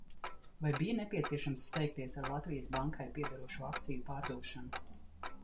Vai bija nepieciešams steigties ar Latvijas Bankai piederošo akciju pārdošanu?